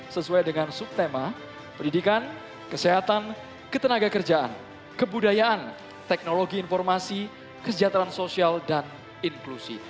sesuai dengan subtema pendidikan kesehatan ketenaga kerjaan kebudayaan teknologi informasi kesejahteraan sosial dan inklusi